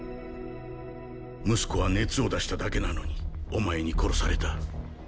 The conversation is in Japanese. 息子は熱を出しただけなのにお前に殺された。